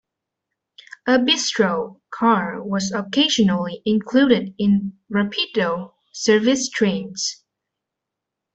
A "bistro" car was occasionally included in "Rapido" service trains.